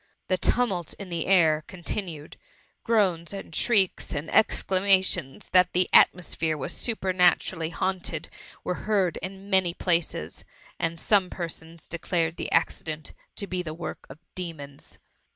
The tumult in the air still continued; groans and shrieks and exclamations^ that the at S84 THE MUMMY. iDosphere was supematurally haunted, were heard in many places; and some persons de clared the accident to be the work of demons.